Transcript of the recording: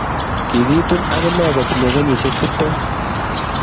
Kiikitun ak inee kotinye kenyishek tiptem